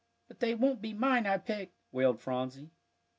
"But they won't be mine I picked," wailed Phronsie.